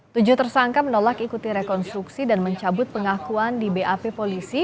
tujuh tersangka menolak ikuti rekonstruksi dan mencabut pengakuan di bap polisi